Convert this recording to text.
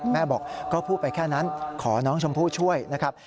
แม่บอกก็พูดไปแค่นั้นขอน้องชมพู่ช่วยนะครับ